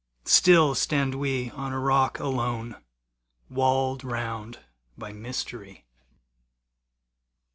Still stand we on a rock alone, Walled round by mystery.